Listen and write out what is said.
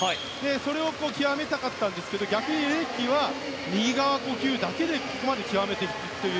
それを極めたかったんですが逆にレデッキーは右側呼吸だけでここまで極めてきたと。